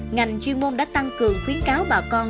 ngành chuyên môn đã tăng cường khuyến cáo bà con